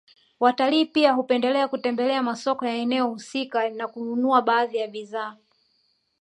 Watalii pia hupendelea kutembelea masoko ya eneo husika na kununua baadhi ya bidhaa